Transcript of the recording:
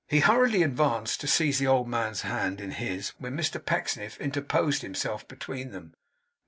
He hurriedly advanced to seize the old man's hand in his, when Mr Pecksniff interposed himself between them.